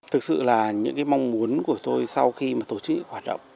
thực sự là những mong muốn của tôi sau khi tổ chức quản lý